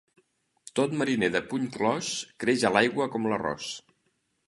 Tot mariner de puny clos creix a l'aigua com l'arròs.